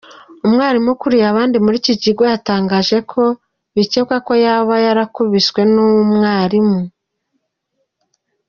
Umwarimu ukuriye abandi muri iki kigo yatangaje ko bikekwa ko yaba yarakubiswe n’umwarimu.